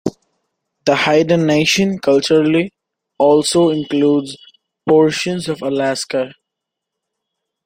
The Haida Nation, culturally, also includes portions of Alaska.